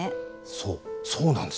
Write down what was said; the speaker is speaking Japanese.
そうそうなんです